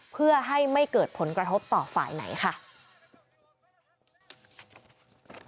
เพื่อให้ไม่เกิดผลกระทบต่อฝ่ายไหนค่ะ